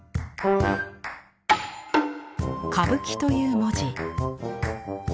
「歌舞伎」という文字。